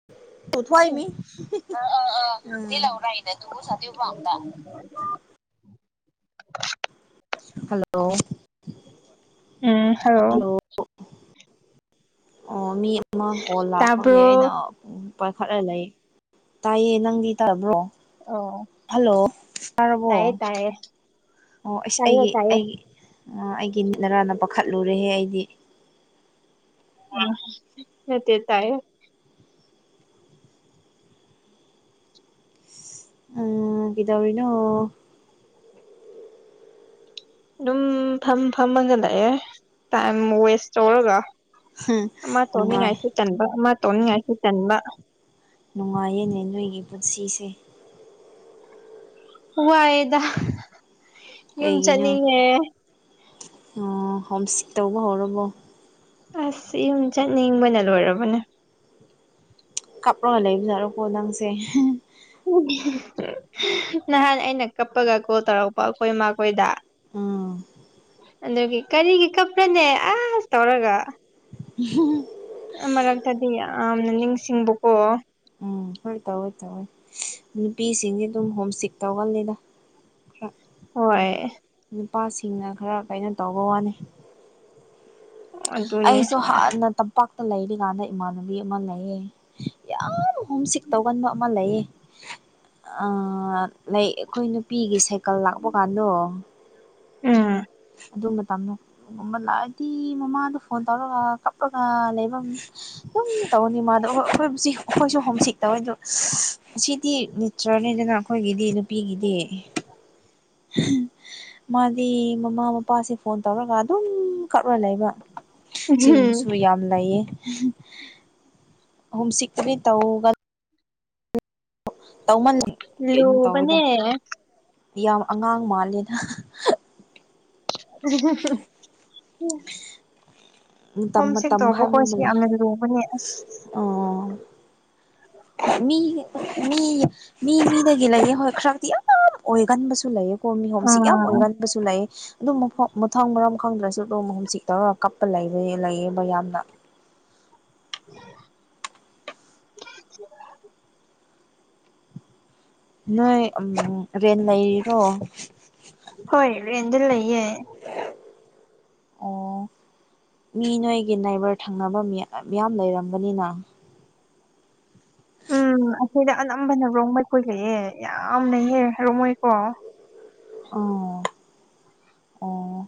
[unintelligible] Hello ꯎꯝ ꯍꯥꯏꯔꯛ ꯑꯣ ꯍꯜꯂꯣ ꯑꯣ ꯃꯤ ꯑꯃ ꯀꯣꯜ ꯂꯥꯛꯄꯒꯤ ꯑꯩꯅ ꯇꯥꯕ꯭ꯔꯣ ꯎꯝ ꯄꯥꯏꯈꯠꯂ ꯂꯩ ꯇꯥꯏꯌꯦ ꯅꯪꯗꯤ ꯇꯥꯕ꯭ꯔꯣ ꯑꯣ ꯍꯜꯂꯣ ꯇꯥꯔꯕꯣ ꯇꯥꯏꯌꯦ ꯇꯥꯏꯌꯦ ꯑꯣ ꯑꯩꯁ ꯇꯥꯏꯌꯦ ꯑꯩꯒꯤ ꯇꯥꯏꯌꯦ ꯑꯩꯒꯤ ꯑꯩꯒꯤ ꯅꯔꯥꯅ ꯄꯥꯈꯠꯂꯨꯔꯦꯍꯦ ꯑꯩꯗꯤ ꯌꯥꯟ ꯅꯠꯇꯦ ꯇꯥꯏꯌꯦ ꯎꯝ ꯀꯩꯗꯧꯔꯤꯅꯣ ꯑꯗꯨꯝ ꯐꯝ ꯐꯝꯃꯒ ꯂꯩꯌꯦ ꯇꯥꯏꯝ ꯋꯦꯁ ꯇꯧꯔꯒ ꯑꯃ ꯅꯨꯡꯉꯥꯏ ꯇꯧꯅꯤꯡꯉꯥꯏꯁꯨ ꯇꯟꯕ ꯑꯃ ꯇꯧꯅꯤꯡꯉꯥꯏꯁꯨ ꯇꯟꯕ ꯅꯨꯡꯉꯥꯏꯌꯦꯅꯦ ꯅꯣꯏꯒꯤ ꯄꯨꯟꯁꯤꯁꯦ ꯋꯥꯏꯗ ꯀꯩꯒꯤꯅꯣ ꯍꯣꯝ ꯁꯤꯛ ꯇꯧꯕ ꯍꯧꯔꯕꯣ ꯑꯁ ꯌꯨꯝ ꯆꯠꯅꯤꯡꯕꯅ ꯂꯣꯏꯔꯕꯅꯦ ꯀꯞꯔꯒ ꯂꯩꯕ ꯅꯔꯀꯣ ꯅꯪꯁꯦ ꯅꯍꯥꯟ ꯑꯩꯅ ꯀꯞꯄꯒ ꯀꯣꯜ ꯇꯧꯔꯛꯄ ꯑꯩꯈꯣꯏ ꯃꯈꯈꯣꯏꯗ ꯎꯝ ꯑꯗꯒꯤ ꯀꯔꯤꯒꯤ ꯀꯞꯄ꯭ꯔꯅꯦ ꯑꯁ ꯇꯧꯔꯒ ꯍ [unintelligible] ꯃꯔꯛꯇꯗꯤ ꯌꯥꯝꯅ ꯅꯤꯡꯁꯤꯡꯕꯀꯣ ꯐꯔ ꯇꯧꯋꯦ ꯇꯧꯋꯦ ꯅꯨꯄꯤꯁꯤꯡꯁꯦ ꯑꯗꯨꯝ ꯍꯣꯝ ꯏꯁꯇꯤꯛ ꯇꯧꯒꯜꯂꯤꯗ ꯈꯔ ꯍꯣꯏ ꯅꯨꯄꯥꯁꯤꯡꯅ ꯈꯔ ꯀꯩꯅꯣ ꯇꯧꯕ ꯋꯥꯅꯤ ꯑꯗꯨꯅꯦ ꯑꯩꯁꯨ ꯍꯥꯟꯅ ꯇꯝꯄꯥꯛꯇ ꯂꯩꯔꯤꯀꯥꯟꯗ ꯏꯃꯥꯟꯅꯕꯤ ꯑꯃ ꯂꯩꯌꯦ ꯌꯥꯝ ꯍꯣꯝ ꯁꯤꯛ ꯇꯧꯒꯟꯕ ꯑꯃ ꯂꯩꯌꯦ ꯑ ꯂꯩ ꯑꯩꯈꯣꯏ ꯅꯨꯄꯤꯒꯤ ꯁꯥꯏꯀꯜ ꯂꯥꯛꯄ ꯀꯥꯟꯗꯣ ꯎꯝ ꯑꯗꯨ ꯃꯇꯝꯗꯣ ꯑꯗꯨꯒꯨꯝꯕ ꯂꯥꯛꯑꯗꯤ ꯃꯃꯥꯗꯣ ꯐꯣꯟ ꯇꯧꯔꯒ ꯀꯞꯄꯒ ꯂꯩꯐꯝ ꯎꯏ ꯇꯧꯔꯅꯤ ꯃꯥꯗꯣ ꯍꯣ ꯑꯩꯈꯣꯏꯕꯁꯤ ꯑꯩꯈꯣꯏꯁꯨ ꯍꯣꯝꯁꯤꯛ ꯇꯧꯋꯦꯗꯣ ꯁꯤꯗꯤ ꯆꯔꯅꯦꯗꯅ ꯑꯩꯈꯣꯏꯒꯤꯗꯤ ꯅꯨꯄꯤꯒꯤꯗꯤ ꯃꯥꯗꯤ ꯃꯃꯥ ꯃꯄꯥꯁꯨ ꯐꯣꯟ ꯇꯧꯔꯒ ꯑꯗꯨꯝ ꯀꯞ ꯔ ꯂꯩꯕ ꯎꯝ ꯁꯤꯒꯨꯝꯕꯁꯨ ꯌꯥꯝ ꯂꯩꯌꯦ ꯍꯣꯝ ꯁꯤꯛꯄꯨꯗꯤ ꯇꯧꯒ ꯇꯧꯃꯜꯂꯦ ꯀꯩꯅꯣ ꯇꯧꯋꯤꯗ ꯂꯨꯕꯅꯦ ꯌꯥꯝ ꯑꯉꯥꯡ ꯃꯥꯜꯂꯦꯅ ꯎ [unintelligible] ꯃꯇꯝ ꯍꯣꯝ ꯁꯤꯛ ꯃꯇꯝ ꯇꯧꯕꯈꯣꯏ ꯁꯤ ꯌꯥꯝꯅ ꯂꯨꯕꯅꯦ ꯑꯁ ꯑꯥ ꯃꯤ ꯃꯤ ꯃꯤ ꯃꯤꯗꯒ ꯂꯩꯌꯦ ꯍꯣꯏ ꯈꯔꯗꯤ ꯑꯥ ꯌꯥꯝ ꯑꯣꯏꯒꯟꯕꯁꯨ ꯂꯩꯌꯦꯀꯣ ꯃꯤ ꯍꯣꯝꯁꯤꯛ ꯌꯥꯝ ꯑꯥ ꯑꯣꯏꯒꯟꯕꯁꯨ ꯂꯩꯌꯦ ꯑꯗꯨꯝ ꯃꯐꯝ ꯃꯊꯪ ꯃꯔꯝ ꯈꯪꯗ꯭ꯔꯁꯨ ꯑꯗꯨꯝ ꯍꯣꯝ ꯁꯤꯛ ꯇꯧꯔꯒ ꯀꯞꯄ ꯂꯩꯌꯦꯕ ꯌꯥꯝꯅ [unintelligible] ꯅꯣꯏ ꯎꯝ ꯔꯦꯟ ꯂꯩꯔꯤꯔꯣ ꯍꯣꯏ ꯔꯦꯟꯠ ꯇ ꯂꯩꯌꯦ ꯑꯣ ꯃꯤ ꯅꯣꯏꯒꯤ ꯅꯥꯏꯕꯔ ꯊꯪꯅꯕ ꯃꯤꯌꯥꯝ ꯂꯩꯔꯝꯕꯅꯤꯅ ꯎꯝ ꯑꯩꯈꯣꯏꯗ ꯑꯅꯝꯕꯅ ꯔꯣꯡꯃꯩ ꯈꯣꯏ ꯂꯩꯑꯦ ꯌꯥꯝꯂꯩꯍꯦ ꯔꯣꯡꯃꯩꯀꯣ ꯑꯣ ꯑꯣ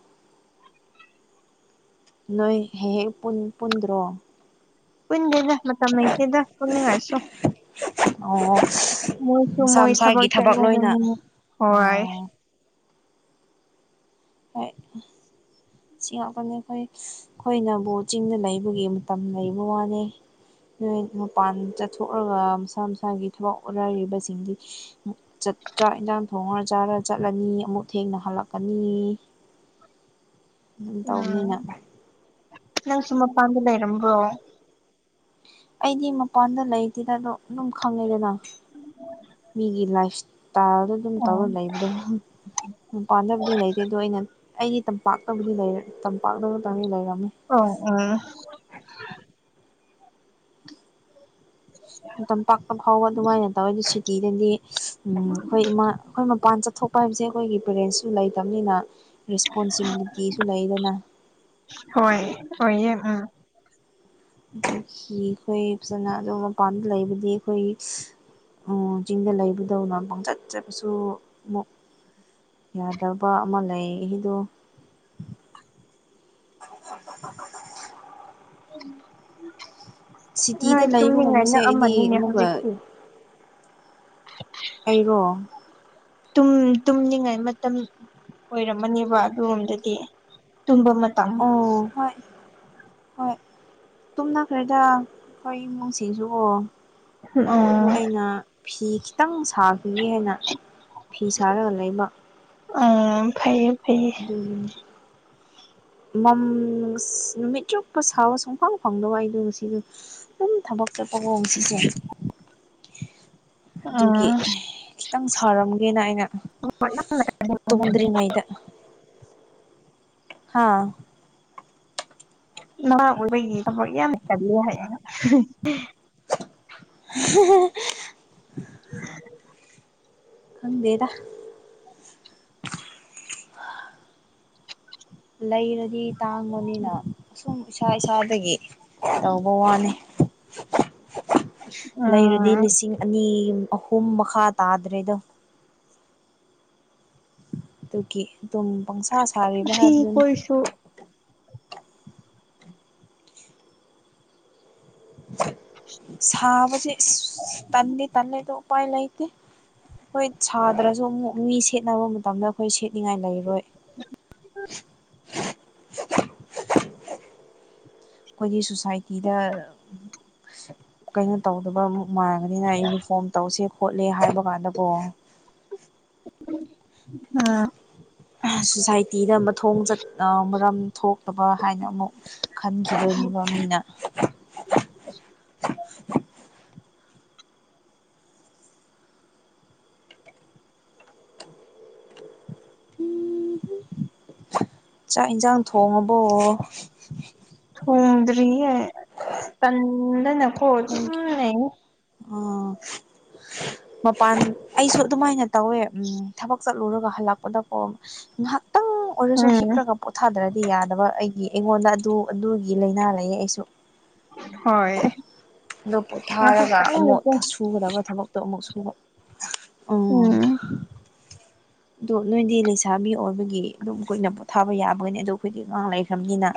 ꯅꯣꯏ ꯍꯦꯛ ꯍꯦꯛ ꯄꯨꯟꯗ꯭ꯔꯣ ꯄꯨꯟꯗꯦꯗ ꯃꯇꯝ ꯃꯩꯇꯩꯦꯗ ꯄꯨꯛꯅꯤꯡꯉꯥꯏꯁꯨ ꯑꯣ ꯃꯣꯏꯁꯨ ꯃꯁꯥ ꯃꯣꯏ ꯊꯕꯛ ꯃꯁꯥꯒꯤ ꯂꯣꯏꯅ ꯆꯠꯂꯒꯅꯤ ꯍꯣꯏ ꯑꯣ ꯍ‌ꯣꯏ ꯁꯤ ꯉꯥꯛꯀꯅꯤ ꯑꯩꯈꯣꯏ ꯑꯩꯈꯣꯏꯅꯕꯨꯕꯣ ꯆꯤꯡꯗ ꯂꯩꯕꯒꯤ ꯃꯇꯝ ꯂꯩꯕ ꯋꯥꯅꯤ ꯅꯣꯏ ꯃꯄꯥꯟ ꯆꯠꯊꯣꯛꯑꯒ ꯃꯁꯥ ꯃꯁꯥꯒꯤ ꯊꯕꯛ ꯑꯣꯠꯅꯔꯤꯕꯁꯤꯡꯗꯤ ꯆ ꯆꯥꯛ ꯏꯟꯖꯥꯡ ꯊꯣꯡꯉꯔ ꯆꯥꯔ ꯆꯠꯂꯅꯤ ꯑꯃꯨꯛ ꯊꯦꯡꯅ ꯍꯜꯂꯛꯀꯅꯤ ꯑꯗꯨꯝ ꯎꯝ ꯇꯧꯅꯤꯅ ꯅꯪꯁꯨ ꯃꯄꯥꯟꯗ ꯂꯩꯔꯝꯕꯔꯣ꯫ ꯑꯩꯗꯤ ꯃꯄꯥꯟꯗ ꯂꯩꯇꯦꯗ ꯑꯗꯨꯣ ꯑꯗꯨꯝ ꯈꯪꯉꯦꯗꯅ ꯃꯤꯒꯤ ꯂꯥꯏꯐ ꯇꯥꯔꯗ ꯑꯗꯨꯝ ꯑꯣ ꯇꯧꯔ ꯂꯩꯕꯗꯣ ꯄꯥꯟꯗꯕꯨꯗꯤ ꯂꯩꯇꯦ ꯑꯗꯣ ꯑꯩꯅ ꯑꯩꯒꯤ ꯇꯝꯄꯥꯛꯇꯕꯨꯗꯤ ꯇꯝꯄꯥꯛꯇꯕꯨꯛꯇꯪꯗꯤ ꯂꯩꯔꯝꯃꯦ ꯑꯣ ꯑꯣꯝ ꯃꯇꯝ ꯄꯥꯛꯄ ꯐꯥꯎꯕ ꯑꯗꯨꯃꯥꯏꯅ ꯇꯧꯋꯦ ꯑꯗꯨ ꯁꯨꯇꯤꯗꯗꯤ ꯎꯝ ꯑꯩꯈꯣꯏ ꯏꯃꯥ ꯑꯩꯈꯣꯏ ꯃꯄꯥꯟ ꯆꯠꯊꯣꯛꯄ ꯍꯥꯏꯕꯁꯦ ꯑꯩꯈꯣꯏꯒꯤ ꯄꯦꯔꯦꯟꯁꯁꯨ ꯂꯩꯇꯕꯅꯤꯅ ꯔꯦꯁꯄꯣꯟꯁꯤꯕꯤꯂꯤꯇꯤꯁꯨ ꯂꯩꯗꯅ ꯍꯣꯏ ꯍꯣꯏꯌꯦ ꯎꯝ ꯑꯗꯒꯤ ꯑꯩꯈꯣꯏ ꯐꯖꯅ ꯑꯗꯨꯣ ꯃꯄꯥꯟꯗ ꯂꯩꯕꯗꯤ ꯑꯩꯈꯣꯏ ꯆꯤꯡꯗ ꯂꯩꯕꯗꯧꯅ ꯄꯪꯆꯠ ꯆꯠꯄꯁꯨ ꯑꯃꯨꯛ ꯌꯥꯗꯕ ꯑꯃ ꯂꯩ ꯏꯗꯨ ꯁꯤꯇꯤꯗ ꯅꯣꯏ ꯇꯨꯝꯅꯤꯡꯉꯥꯏ ꯂꯩꯕꯒꯨꯝꯕꯁꯦ ꯑꯩꯗꯤ ꯅꯛꯑꯝꯃꯅꯤꯅꯦ ꯑꯃꯨꯛꯀ ꯍꯧꯖꯤꯛꯇꯤ ꯑꯩꯔꯣ ꯇꯨꯝꯅꯤꯉꯥꯏ ꯃꯇꯝ ꯑꯣꯏꯔꯝꯃꯅꯦꯕ ꯑꯗꯨꯔꯣꯝꯗꯗꯤ ꯇꯨꯝꯝꯕ ꯃꯇꯝ ꯑꯣ ꯍꯣꯏ ꯍꯣꯏ ꯇꯨꯝꯅꯈ꯭ꯔꯦꯗ ꯑꯩꯈꯣꯏ ꯏꯃꯨꯡꯁꯤꯡꯁꯨ ꯀꯣ ꯑꯗꯨ ꯑꯣ ꯑꯩꯅ ꯐꯤ ꯈꯤꯇꯪ ꯁꯥꯈꯤꯒꯦ ꯍꯥꯏꯅ ꯐꯤ ꯁꯥꯔꯒ ꯂꯩꯕ ꯑꯥ ꯐꯩꯌꯦ ꯐꯩꯌꯦ ꯑꯗꯨꯅꯤ ꯃꯝ ꯅꯨꯃꯤꯠ ꯆꯨꯞꯄ ꯁꯥꯕ ꯁꯨꯡꯐꯥꯡ ꯐꯪꯗꯕ ꯑꯩꯗ ꯁꯤꯒꯤ ꯊꯥꯕꯛ ꯆꯠꯄꯀꯣ ꯉꯥꯁꯤꯁꯦ ꯑꯗꯨꯒꯤ ꯑꯥ ꯈꯤꯇꯪ ꯁꯥꯥꯔꯝꯒꯦꯅ ꯑꯩꯅ ꯇꯨꯝꯗ꯭ꯔꯤꯉꯩꯗ ꯍꯥꯥ ꯅꯥꯍꯥ ꯑꯣꯏꯕꯒꯤ ꯊꯕꯛ ꯌꯥꯝꯅ ꯆꯠꯂꯦ ꯍꯥꯏ [unintelligible] [unintelligible] ꯈꯪꯗꯦꯗ ꯂꯩꯔꯗꯤ ꯇꯥꯡꯕꯅꯤꯅ ꯑꯁꯨꯝ ꯏꯁꯥ ꯏꯁꯥꯗꯒꯤ ꯇꯧꯕ ꯋꯥꯅꯤ ꯂꯩꯔꯗꯤ ꯑꯥ ꯂꯤꯁꯤꯡ ꯑꯅꯤ ꯑꯍꯨꯝ ꯃꯈꯥ ꯇꯥꯗ꯭ꯔꯦꯗꯣ ꯑꯗꯨꯒꯤ ꯑꯗꯨꯝ ꯄꯪꯁꯥ ꯁꯥꯔꯤꯕ ꯐꯤ ꯍꯥꯏꯕꯗꯨꯅ ꯈꯣꯏꯁꯨ ꯁꯥꯕꯁꯤ ꯇꯟꯗꯤ ꯇꯂꯦꯗꯣ ꯎꯄꯥꯏ ꯂꯩꯇꯦ ꯑꯩꯈꯣꯏ ꯁꯥꯗ꯭ꯔꯁꯨ ꯑꯃꯨꯛ ꯃꯤ ꯁꯦꯠꯅꯕ ꯃꯇꯝꯗ ꯑꯩꯈꯣꯏ ꯁꯦꯠꯅꯤꯡꯉꯥꯏ ꯂꯩꯔꯣꯏ [unintelligible] ꯑꯩꯈꯣꯏꯒꯤ ꯁꯣꯁꯥꯏꯇꯤꯗ ꯀꯩꯅꯣ ꯇꯧꯗꯕ ꯃꯥꯟꯒꯅꯤꯅ ꯌꯨꯅꯤꯐꯣꯔꯝ ꯇꯧꯁꯦ ꯈꯣꯠꯂꯦ ꯍꯥꯏꯕꯀꯥꯟꯗꯀꯣ ꯑꯥ ꯁꯣꯁꯥꯏꯇꯤꯗ ꯑꯃ ꯊꯣꯡ ꯆꯠ ꯃꯔꯝ ꯊꯣꯛꯇꯕ ꯍꯥꯏꯅ ꯑꯃꯨꯛ ꯈꯟꯈꯤꯗꯣꯏꯅꯦꯕ ꯃꯤꯅ [inaudible] [unintelligible] ꯆꯥꯛ ꯌꯦꯟꯁꯥꯡ ꯊꯣꯡꯉꯕꯣ ꯊꯣꯡꯗꯔꯤ ꯇꯟꯗꯅ ꯀꯣ ꯁꯨꯝ ꯂꯩꯔꯤ ꯑꯣ ꯃꯄꯥꯟ ꯑꯩꯁꯨ ꯑꯗꯨꯃꯥꯏꯅ ꯇꯧꯋꯦ ꯎꯝ ꯊꯕꯛ ꯆꯠꯂꯨꯔꯒ ꯍꯜꯂꯛꯄꯗꯀꯣ ꯉꯥꯏꯍꯥꯛꯇꯪ ꯑꯣꯏꯔꯁꯨ ꯎꯝ ꯍꯤꯞꯂꯒ ꯄꯣꯊꯥꯗ꯭ꯔꯗꯤ ꯌꯥꯗꯕ ꯑꯩꯒꯤ ꯑꯩꯉꯣꯟꯗ ꯑꯗꯨ ꯑꯗꯨꯒꯤ ꯂꯥꯏꯅꯥ ꯂꯩꯌꯦ ꯑꯩꯁꯨ ꯍꯣꯏ ꯑꯗꯨ ꯄꯣꯊꯥꯔꯒ ꯑꯃꯨꯛ ꯉꯥꯏꯍꯥꯛꯇꯪꯅꯤꯀꯣ ꯁꯨꯒꯗꯕ ꯊꯕꯛꯇꯣ ꯑꯃꯨꯛ ꯁꯨꯕ ꯎꯝ ꯑꯣ ꯑꯗꯣ ꯅꯣꯏꯗꯤ ꯂꯩꯁꯥꯕꯤ ꯑꯣꯏꯕꯒꯤ ꯑꯗꯨꯝ ꯀꯨꯏꯅ ꯄꯣꯊꯥꯕ ꯌꯥꯕꯅꯤ ꯑꯗꯣ ꯑꯩꯈꯣꯏꯗꯤ ꯑꯉꯥꯡ ꯂꯩꯈ꯭ꯔꯕꯅꯤꯅ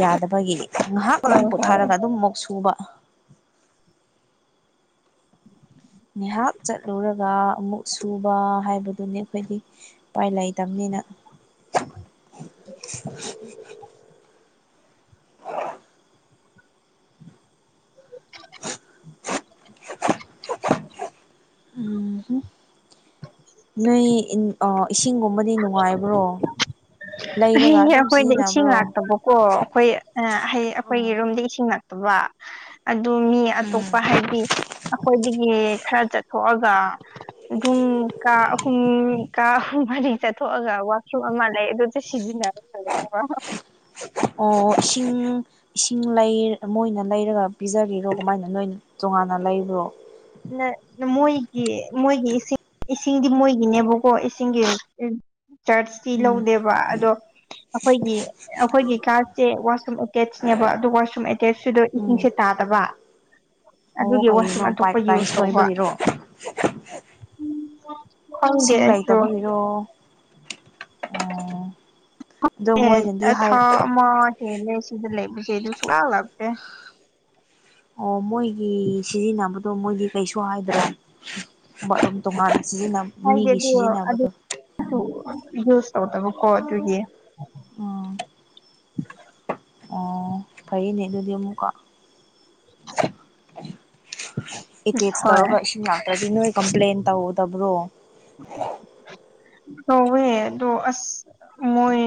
ꯌꯥꯗꯕꯒꯤ ꯉꯥꯏꯍꯥꯛ ꯍꯣꯏ ꯑꯗꯨꯝ ꯍꯣꯏ ꯄꯨꯊꯔꯒ ꯑꯗꯨꯝ ꯃꯨꯛ ꯁꯨꯕ ꯉꯍꯥꯛ ꯆꯠꯂꯨꯔꯒ ꯑꯃꯨꯛ ꯁꯨꯕ ꯍꯥꯏꯕꯗꯨꯅꯤ ꯑꯩꯈꯣꯏꯗꯤ ꯎꯄꯥꯏ ꯂꯩꯇꯕꯅꯤꯅ [inaudible] [inaudible] [unintelligible] ꯅꯣꯏ ꯏꯁꯤꯡꯒꯨꯝꯕꯗꯤ ꯅꯨꯡꯉꯥꯏꯕ꯭ꯔꯣ ꯂꯩꯔꯒ ꯑꯗꯨꯝ ꯁꯤꯖꯤꯟꯅꯕ꯭ꯔꯣ ꯀꯣ ꯑꯩꯈꯣꯏ ꯑꯩꯈꯣꯏꯒꯤ ꯔꯨꯝꯗ ꯏꯁꯤꯡ ꯅꯛꯇꯕ ꯑꯗꯨ ꯃꯤ ꯑꯇꯣꯞꯄ ꯍꯥꯏꯗꯤ ꯑꯩꯈꯣꯏꯗꯒꯤ ꯈꯔ ꯆꯠꯊꯣꯛꯑꯒ ꯑꯗꯨꯝ ꯀꯥ ꯑꯍꯨꯝ ꯀꯥ ꯑꯍꯨꯝ ꯃꯔꯤ ꯆꯠꯊꯣꯛꯑꯒ ꯋꯥꯁꯔꯨꯝ ꯑꯃ ꯂꯩ ꯑꯗꯨ ꯁꯤꯖꯤꯟꯅꯔ ꯂꯩꯔꯤꯅꯦꯕ ꯑꯣ ꯏꯁꯤꯡ ꯏꯁꯤꯡ ꯂꯩ ꯃꯣꯏꯅ ꯂꯩꯔꯒ ꯄꯤꯖꯔꯤꯔꯣ ꯀꯃꯥꯏꯅ ꯅꯣꯏꯅ ꯇꯣꯉꯥꯟꯅ ꯂꯩꯕ꯭ꯔꯣ ꯅ ꯃꯣꯏꯒꯤ ꯃꯣꯏꯒꯤ ꯏꯁꯤꯡ ꯏꯁꯤꯡ ꯆꯔꯆꯇꯤ ꯎꯝ ꯂꯧꯗꯦꯕ ꯑꯗꯣ ꯑꯩꯈꯣꯏꯒꯤ ꯑꯩꯈꯣꯏꯒꯤ ꯀ꯭ꯂꯥꯁꯁꯦ ꯋꯥꯁꯔꯨꯝ ꯑꯦꯗꯁꯅꯦꯕ ꯑꯗꯨ ꯋꯥꯁꯔꯨꯝ ꯑꯦꯇꯦꯆꯇꯨꯗ ꯎꯝ ꯏꯁꯤꯡꯁꯦ ꯇꯥꯗꯕ ꯑꯗꯨꯒꯤ ꯋꯥꯁꯔꯨꯝ ꯑꯗꯨ ꯣꯏꯕꯒꯤꯔꯣ ꯈꯪꯗꯦ ꯏꯁꯤꯡ ꯑꯩꯁꯨ ꯂꯩꯇꯕꯒꯤꯔꯣ ꯇꯣ ꯎ ꯑꯦ ꯊꯥ ꯑꯃ ꯍꯦꯜꯂꯦ ꯁꯤꯗ ꯂꯩꯕꯁꯦ ꯑꯗꯨ ꯁꯨꯡꯂꯥꯛ ꯂꯥꯛꯄꯦ ꯑꯣ ꯃꯣꯏꯒꯤ ꯁꯤꯖꯤꯟꯅꯕꯗꯣ ꯃꯣꯏꯗꯤ ꯀꯩꯁꯨ ꯍꯥꯏꯗ꯭ꯔꯣ ꯕꯠꯔꯨꯝ ꯇꯣꯉꯥꯟ ꯁꯤꯖꯤꯟꯅꯕ ꯍꯥꯏꯗꯤ ꯃꯤꯒꯤ ꯑꯗꯨ ꯁꯤꯖꯤꯟꯅꯕꯗꯣ ꯑꯗꯨ ꯌꯨꯁ ꯇꯧꯗꯕꯀꯣ ꯑꯗꯨꯒꯤ ꯎꯝ ꯑꯣ ꯐꯩꯅꯦ ꯑꯗꯨꯗꯤ ꯑꯃꯨꯛꯀꯣ [inaudible] ꯏꯇꯦꯆ ꯍꯣꯏ ꯇꯧꯔꯒ ꯏꯁꯤꯡ ꯉꯥꯛꯇ꯭ꯔꯗꯤ ꯅꯣꯏ ꯀꯝꯄ꯭ꯂꯦꯟ ꯇꯧꯒꯗꯕ꯭ꯔꯣ ꯍꯋꯦ ꯑꯗꯣ ꯑꯁ ꯃꯣꯏ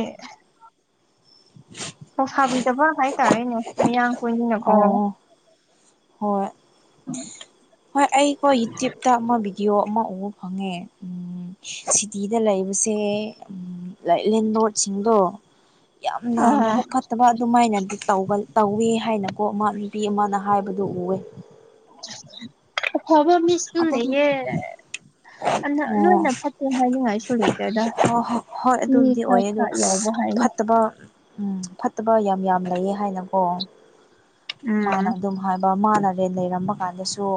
ꯊꯧꯁꯥꯕꯤꯗꯕ ꯍꯥꯏꯇꯥꯔꯦꯅꯦ ꯃꯤꯌꯥꯝ ꯀꯨꯏꯅꯤꯅꯀꯣ ꯑꯣ ꯍꯣꯏ [unintelligible] ꯍꯣꯏ ꯑꯩꯈꯣ ꯌꯨꯇ꯭ꯌꯨꯕꯇ ꯑꯃ ꯚꯤꯗꯤꯑꯣ ꯑꯃ ꯎ ꯐꯪꯉꯦ ꯁꯤꯇꯤꯗ ꯂꯩꯕꯁꯦ ꯂꯥꯏ ꯂꯦꯟꯗꯣꯠꯁꯤꯡꯗꯣ ꯌꯥꯝ ꯑꯥ ꯅꯥꯝꯃꯕꯨ ꯐꯠꯇꯕ ꯑꯗꯨꯃꯥꯏꯅꯗꯤ ꯇꯧꯕ ꯇꯧꯋꯦ ꯍꯥꯏꯅꯀꯣ ꯑꯃ ꯅꯨꯄꯤ ꯑꯃꯅ ꯍꯥꯏꯕꯗꯨ ꯎꯋꯦ ꯑꯐꯕ ꯃꯤꯁꯨ ꯑꯗꯨꯝ ꯂꯩꯌꯦ ꯑꯗꯨꯅ ꯑꯣ ꯂꯣꯏꯅ ꯐꯠꯇꯦ ꯍꯥꯏꯅ ꯍꯥꯏ ꯂꯩꯇꯦꯗ ꯍꯣꯏ ꯍꯣꯏ ꯍꯣꯏ ꯃꯤ ꯑꯗꯨꯕꯨꯗꯤ ꯈꯔ ꯑꯣꯏꯌꯦ ꯑꯗꯨ ꯈꯔ ꯌꯥꯎꯕ ꯍꯥꯏꯅ [unintelligible] ꯎꯝ ꯐꯠꯇꯕ ꯌꯥꯝ ꯌꯥꯝ ꯂꯩꯌꯦ ꯍꯥꯏꯅꯀꯣ ꯎꯝ ꯃꯥꯅ ꯑꯗꯨꯝ ꯍꯥꯏꯕ ꯏꯃꯥꯟꯅꯔꯦꯟ ꯂꯩꯔꯝꯕ ꯀꯥꯟꯗꯁꯨ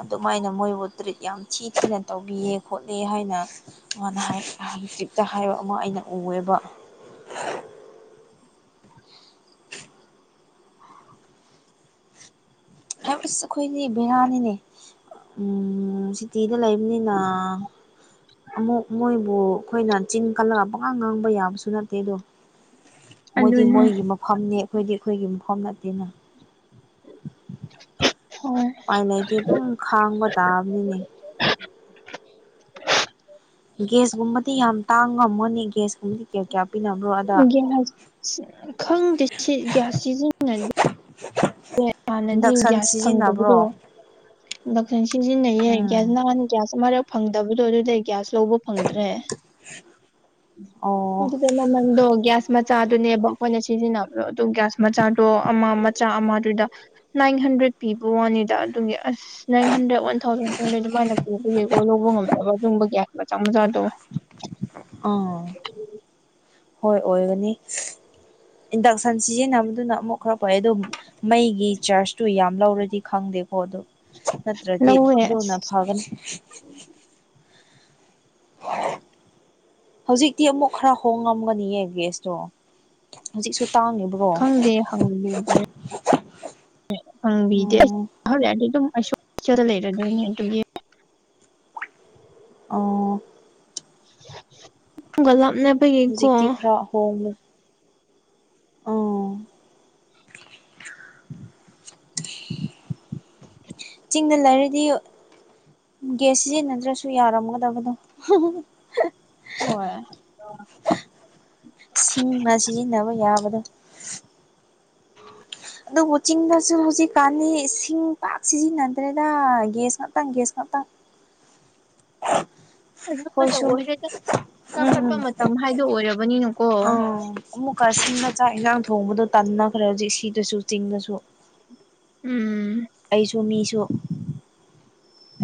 ꯑꯗꯨꯃꯥꯏꯅ ꯃꯣꯏꯕꯨ ꯇ꯭ꯔꯤꯠ ꯌꯥꯝ ꯊꯤ ꯊꯤꯅ ꯇꯧꯕꯤꯌꯦ ꯈꯣꯠꯂꯦ ꯍꯥꯏꯅ ꯃꯥꯅ ꯍꯥꯏ ꯍꯧꯖꯛꯇ ꯍꯥꯏꯕ ꯑꯃ ꯑꯩꯅ ꯎꯑꯦꯕ ꯑꯦꯝ ꯏꯁ ꯑꯩꯈꯣꯏꯅꯤ ꯕꯤꯔꯌꯥꯅꯤꯅꯦ ꯎꯝ ꯁꯤꯇꯤꯗ ꯂꯩꯕꯅꯤꯅ ꯑꯃꯨꯛ ꯃꯣꯏ ꯕꯨ ꯑꯩꯈꯣꯏꯅ ꯆꯤꯡ ꯀꯜꯂꯒ ꯄꯀꯥꯡ ꯉꯥꯡꯕ ꯌꯥꯕꯁꯨ ꯅꯠꯇꯦ ꯑꯗꯣ ꯃꯣꯏꯗꯤ ꯑꯗꯨꯅꯦ ꯃꯣꯏꯒꯤ ꯃ ꯐꯐꯝꯅꯤ ꯑꯩꯈꯣꯏꯗꯤ ꯑꯩꯈꯣꯏꯒꯤ ꯃꯐꯝ ꯅꯠꯇꯦꯅ ꯍꯣꯏ ꯎꯄꯥꯏ ꯂꯩꯇꯦ ꯑꯗꯨꯝ ꯈꯥꯡꯕ ꯇꯥꯕꯅꯤꯅꯦ [inaudible] ꯒ꯭ꯌꯥꯁꯒꯨꯝꯕꯗꯤ ꯌꯥꯝ ꯇꯥꯡ ꯉꯝꯃꯅꯦ ꯒ꯭ꯌꯥꯁꯀꯨꯝꯕꯗꯤ ꯀꯌꯥ-ꯀꯌꯥ ꯄꯤꯅꯕ꯭ꯣꯔ ꯒꯤ꯭ꯌꯥꯁ ꯈꯪꯗꯦ ꯒ ꯒꯤ꯭ꯌꯥꯁ ꯁꯤꯖꯤꯟꯅꯗꯦ ꯍꯥꯟꯅꯗꯤ ꯏꯟꯗꯛꯁꯟ ꯒ꯭ꯌꯥꯁ ꯁꯤꯖꯤꯟꯅꯕ꯭ꯔꯣ ꯐꯪꯗꯕꯗꯣ ꯏꯟꯗꯛꯁꯟ ꯁꯤꯖꯤꯟꯅꯩꯌꯦ ꯎꯝ ꯒ꯭ꯌꯥꯁ ꯅꯍꯥꯟ ꯒ꯭ꯌꯥꯁ ꯑꯃꯛ ꯐꯪꯗꯕꯗꯣ ꯑꯗꯨꯗ ꯒ꯭ꯌꯥꯁ ꯂꯧꯕ ꯐꯪꯗ꯭ꯔꯦ ꯑꯣ ꯑꯗꯨ ꯃꯃꯟꯗꯣ ꯒ꯭ꯌꯥꯁ ꯃꯆꯥꯗꯨꯅꯦꯕ ꯑꯩꯈꯣꯏꯅ ꯁꯤꯖꯤꯟꯅꯕ꯭ꯔꯣ ꯑꯗꯨ ꯒ꯭ꯌꯥꯁ ꯃꯆꯥꯗꯣ ꯑꯃ ꯃꯆꯥ ꯑꯃ ꯑꯗꯨꯗ ꯅꯥꯏꯟ ꯍꯟꯗ꯭ꯔꯦꯠ ꯄꯤꯕ ꯋꯥꯅꯤꯗ ꯑꯗꯨꯒꯤ ꯑꯁ ꯅꯪ ꯍꯟꯗꯛ ꯋꯥꯟ ꯊꯥꯎꯖꯟ ꯇꯨ ꯍꯟꯗ꯭ꯔꯦꯗ ꯑꯗꯨꯃꯥꯏꯅ ꯄꯤꯕꯤꯒꯦꯀꯣ ꯂꯧꯕ ꯉꯝꯗꯕ ꯑꯗꯨꯒꯨꯝꯕ ꯒꯤꯌꯥꯁ ꯃꯆꯥꯛ ꯃꯆꯥꯗꯣ [inaudible] ꯑꯥ ꯍꯣꯏ ꯑꯣꯏꯒꯅꯤ ꯏꯟꯗꯛꯁꯟ ꯁꯤꯖꯤꯟꯅꯕꯗꯨꯅ ꯑꯃꯨꯛ ꯈꯔ ꯄꯦ ꯑꯗꯨ ꯃꯩꯒꯤ ꯆꯥꯔꯖꯇꯨ ꯌꯥꯝ ꯂꯧꯔꯗꯤ ꯈꯪꯗꯦꯀꯣ ꯑꯗꯨ ꯅꯠꯇ꯭ꯔꯗꯤ ꯂꯧꯋꯦ ꯑꯁ ꯂꯨꯅ ꯐꯒꯅꯤ [inaudible] ꯍꯧꯖꯤꯛꯇꯤ ꯑꯃꯨꯛ ꯈꯔ ꯍꯣꯡꯉꯝꯒꯅꯤꯌꯦ ꯒ꯭ꯦꯁꯇꯣ ꯍꯧꯖꯤꯛꯁꯨ ꯇꯥꯡꯉꯦꯕ ꯈꯪꯗꯦ ꯍꯪꯈꯤꯗꯔꯦ ꯍꯪꯕꯤꯗꯦ ꯑꯩ ꯑꯣ ꯍꯧꯔꯛꯑꯗꯤ ꯑꯗꯨꯝ ꯑꯩ ꯂꯩꯔꯗꯣꯏꯅꯦ ꯑꯗꯨꯒꯤ ꯑ ꯂꯝ ꯅ ꯍꯧꯖꯤꯛꯇꯤ ꯈꯔ ꯑꯍꯣꯡꯉ ꯎꯝ ꯆꯤꯡꯗ ꯂꯩꯔꯗꯤ ꯒꯦꯁ ꯁꯤꯖꯤꯟꯅꯗ꯭ꯔꯁꯨ ꯌꯥꯔꯝꯒꯗꯕꯅꯦ ꯍꯣꯏ ꯁꯤꯡꯅ ꯁꯤꯖꯤꯟꯅꯕ ꯌꯥꯕꯗꯣ ꯑꯗꯨꯕꯨ ꯆꯤꯡꯗꯁꯨ ꯍꯧꯖꯤꯛꯀꯥꯟꯗꯤ ꯁꯤꯡ ꯄꯥꯛ ꯁꯤꯖꯤꯟꯅꯗ꯭ꯔꯦꯗ ꯒ꯭ꯌꯥꯁ ꯉꯥꯛꯇꯪ ꯒ꯭ꯌꯥꯁ ꯉꯥꯛꯇꯪ [inaudible] ꯑꯗꯨ ꯐꯗ ꯑꯣꯏꯔ꯭ꯔꯦꯗ ꯆꯥꯎꯈꯠꯄ ꯎꯝ ꯃꯇꯝ ꯍꯥꯏꯗꯣ ꯑꯣꯏꯔꯕꯅꯤꯅꯀꯣ ꯑꯃꯨꯛꯀꯁꯤꯡꯅ ꯆꯥꯛ ꯏꯟꯁꯥꯡ ꯊꯣꯡꯕꯗꯣ ꯇꯟꯅꯈ꯭ꯔꯦ ꯍꯧꯖꯤꯛ ꯁꯤꯗꯁꯨ ꯆꯤꯡꯗꯁꯨ ꯎꯝ ꯑꯩꯁꯨ ꯃꯤꯁꯨ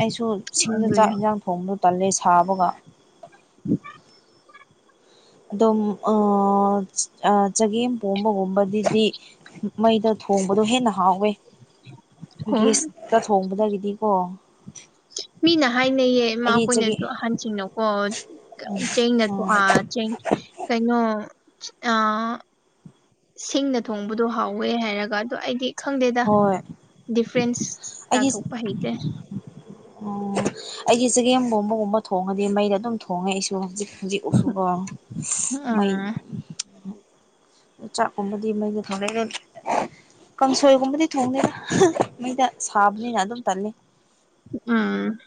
ꯑꯩꯁꯨ ꯁꯤꯡꯗ ꯆꯥꯛ ꯑꯗꯨꯅꯦ ꯏꯟꯁꯥꯡ ꯊꯣꯡꯗ ꯇꯜꯂꯦ ꯁꯥꯕꯒ ꯑꯗꯨꯝ ꯆꯒꯦꯝ ꯄꯣꯝꯕꯒꯨꯝꯕꯗꯤ ꯁꯤ ꯃꯩꯗ ꯊꯣꯡꯕꯗꯣ ꯍꯦꯟꯅ ꯍꯥꯎꯋꯦ ꯍꯣꯏ ꯒꯦꯁꯇ ꯊꯣꯡꯕꯗꯒꯤꯗꯤꯀꯣ ꯃꯤꯅ ꯍꯥꯏꯅꯩꯌꯦ ꯑꯩꯗꯤ ꯆꯒꯦ ꯏꯃꯥꯈꯣꯏꯅꯁꯨ ꯑꯍꯟꯁꯤꯡꯅꯀꯣ ꯆꯦꯡꯅ ꯎꯝ ꯊꯥ ꯀꯩꯅꯩꯅꯣ ꯑ ꯁꯤꯡꯅ ꯊꯣꯡꯕꯗꯣ ꯍꯥꯎꯋꯦ ꯍꯥꯏꯔꯒ ꯑꯗꯣ ꯑꯩꯗꯤ ꯈꯪꯗꯦꯗ ꯍꯣꯏ ꯗꯤꯐ꯭ꯔꯦꯟꯁ ꯇꯥꯊꯣꯛꯄ ꯍꯩꯇꯦ ꯑꯣ ꯑꯩꯒꯤ ꯆꯒꯦꯝꯒꯣꯝꯕꯒꯨꯝꯕ ꯊꯣꯡꯉꯗꯤ ꯃꯩꯗ ꯑꯗꯨꯝ ꯊꯣꯡꯉꯦ ꯑꯩꯁꯨ ꯍꯧꯖꯤꯛ ꯖꯤꯛ ꯎꯁꯨꯕ ꯃꯩ ꯎꯝ ꯆꯥꯛꯀꯨꯝꯕꯗꯤ ꯃꯩꯗꯤ ꯊꯅ ꯍꯦꯟ ꯀꯥꯡꯁꯣꯏꯒꯨꯝꯕꯗꯤ ꯊꯣꯡꯅꯤꯦꯅ ꯃꯩꯗ ꯁꯥꯕꯅꯤꯅ ꯑꯗꯨꯝ ꯇꯜꯂꯤ ꯑꯝ